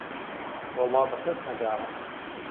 وهڵڵا به کهس نهداوه